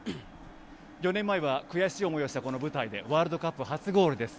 ４年前は悔しい思いをしたこの舞台でワールドカップ初ゴールです。